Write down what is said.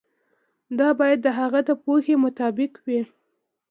دا باید د هغه د پوهې مطابق وي.